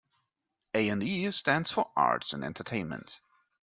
"A and E" stands for "Arts and Entertainment".